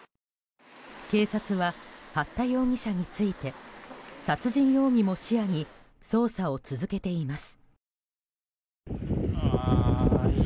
警察は、八田容疑者について殺人容疑も視野に捜査を続けています。